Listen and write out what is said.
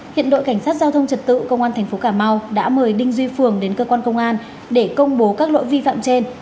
hiện đội cảnh sát giao thông trật tự công an tp cà mau đã mời đinh duy phường đến cơ quan công an để công bố các lỗi vi phạm trên